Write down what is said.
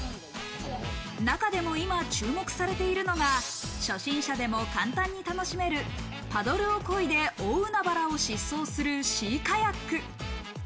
中でも今、注目されているのが、初心者でも簡単に楽しめる、パドルを漕いで大海原を疾走するシーカヤック。